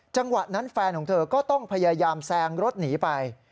จังหวะนั้นแฟนของเธอก็ต้องพยายามแซงรถหนีไป